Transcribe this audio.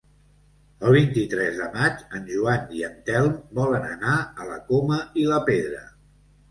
El vint-i-tres de maig en Joan i en Telm volen anar a la Coma i la Pedra.